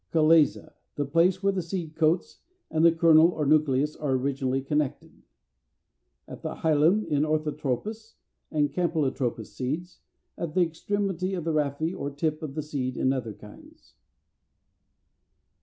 CHALAZA, the place where the seed coats and the kernel or nucleus are organically connected, at the hilum in orthotropous and campylotropous seeds, at the extremity of the rhaphe or tip of the seed in other kinds.